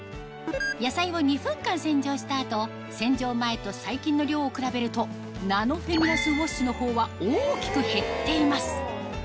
野菜を２分間洗浄した後洗浄前と細菌の量を比べるとナノフェミラスウォッシュのほうは大きく減っています